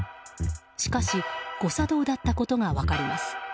しかし、誤作動だったことが分かります。